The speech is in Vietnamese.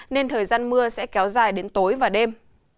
nên thời gian mưa sẽ kéo dài đến tối và đêm